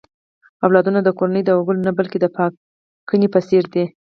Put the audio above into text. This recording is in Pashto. اولادونه د کورنۍ د وګړو نه، بلکې د پانګې په څېر دي.